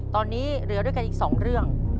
ตอนนี้เหลือด้วยกันอีก๒เรื่อง